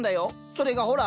それがほら。